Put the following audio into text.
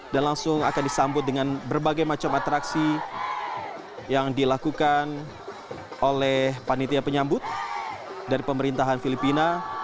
dan langsung akan disambut dengan berbagai macam atraksi yang dilakukan oleh panitia penyambut dari pemerintahan filipina